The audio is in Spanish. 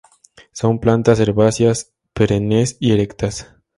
Son plantas herbáceas perennes y erectas.